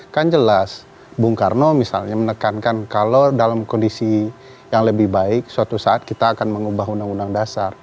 kan jelas bung karno misalnya menekankan kalau dalam kondisi yang lebih baik suatu saat kita akan mengubah undang undang dasar